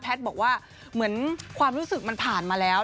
แพทย์บอกว่าความรู้สึกมันผ่านมาแล้ว